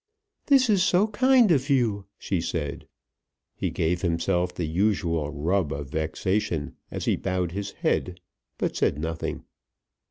"This is so kind of you," she said. He gave himself the usual rub of vexation as he bowed his head, but said nothing.